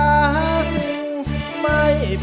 ไม่ใช้ครับไม่ใช้ครับ